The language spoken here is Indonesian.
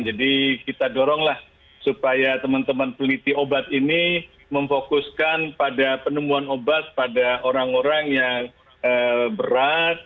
jadi kita doronglah supaya teman teman peliti obat ini memfokuskan pada penemuan obat pada orang orang yang berat